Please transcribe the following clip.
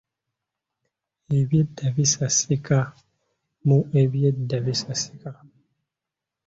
Ebyedda bisasika mu Ebyedda Bisasika